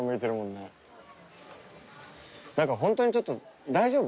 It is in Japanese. なんかホントにちょっと大丈夫？